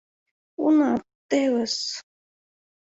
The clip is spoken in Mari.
Уна т-т-тевыс.